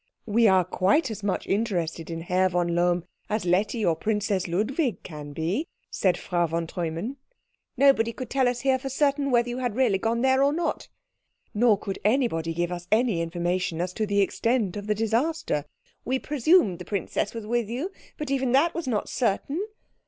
"We are quite as much interested in Herr von Lohm as Letty or Princess Ludwig can be," said Frau von Treumann. "Nobody could tell us here for certain whether you had really gone there or not." "Nor could anybody give us any information as to the extent of the disaster." "We presumed the princess was with you, but even that was not certain."